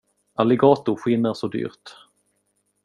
Alligatorskinn är så dyrt.